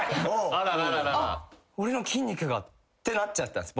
あっ俺の筋肉がってなっちゃったんです